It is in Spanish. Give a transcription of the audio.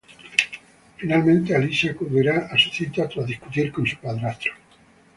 Finalmente Alyssa acudirá a su cita tras discutir con su padrastro.